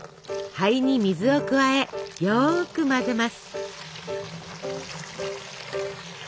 灰に水を加えよく混ぜます。